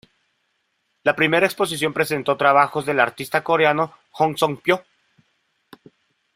La primera exposición presentó trabajos del artista coreano Hong Seung-pyo.